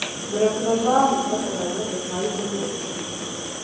د رسول الله نسب تر حضرت اسماعیل پورې رسېږي.